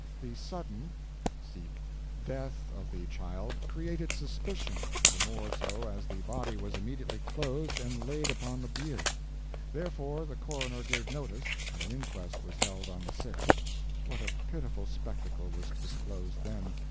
The sudden death of the child created suspicion, the more so as the body was immediately clothed and laid upon the bier. Therefore the coroner gave notice, and an inquest was held on the 6th. What a pitiful spectacle was disclosed then!